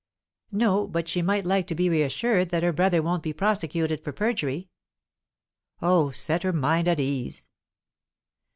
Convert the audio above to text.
"No; but she might like to be assured that her brother won't be prosecuted for perjury." "Oh, set her mind at ease!"